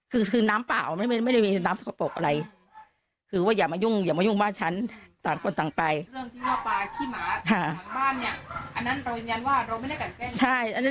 เรื่องที่ว่าปลาขี้หมาหลังบ้านเนี่ยอันนั้นเรายันว่าเราไม่ได้การแกล้ง